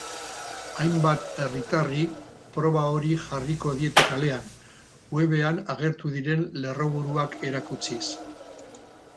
Hainbat herritarri proba hori jarriko diete kalean, webean agertu diren lerroburuak erakutsiz.